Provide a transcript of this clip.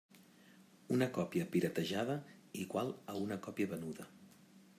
Una còpia “piratejada” igual a una còpia venuda.